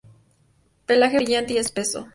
Pelaje brillante y espeso.